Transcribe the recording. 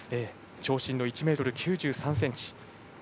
長身の１ｍ９３ｃｍ。